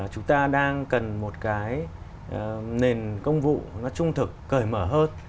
chúng ta đang cần một cái nền công vụ nó trung thực cởi mở hơn